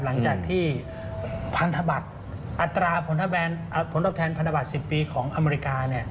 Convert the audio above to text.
หลังจากที่อัตราผลกระแบนปลอบแทนพันธบัตร๑๐ปีก่อนอเมริกาเนี่ย